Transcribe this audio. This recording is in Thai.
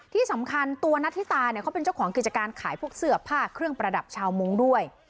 ที่สำคัญตัวนัทธิตาเนี่ยเขาเป็นเจ้าของกิจการขายพวกเสื้อผ้าเครื่องประดับชาวมุ้งด้วย